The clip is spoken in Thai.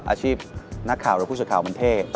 อาชีพนักข่าวหรือผู้สื่อข่าวมันเท่